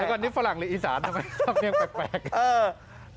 แต่ก่อนนี้ฝรั่งหรืออีสานทำไมทำเรียงแปลก